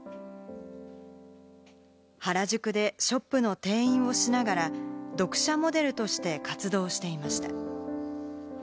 原宿でショップの店員をしながら読者モデルとして活動していました。